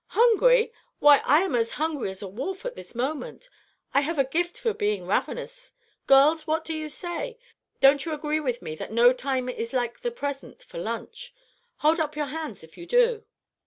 "Hungry! why, I am as hungry as a wolf at this moment. I have a gift at being ravenous. Girls, what do you say? Don't you agree with me that no time is like the present time for lunch? Hold up your hands if you do."